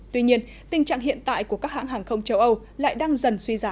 tuy nhiên tình trạng hiện tại của các hãng hàng không châu âu lại đang dần suy giảm